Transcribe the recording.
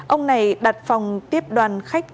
ông này đặt phòng tiếp đoàn khách